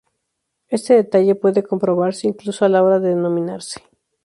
Este detalle puede comprobarse incluso a la hora de denominarse.